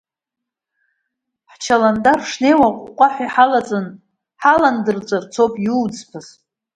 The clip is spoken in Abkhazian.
Ҳчаландар шнеиуа, аҟуҟуаҳәа иааҳалаҵаны ҳаландырҵәарц ауп иуӡбаз!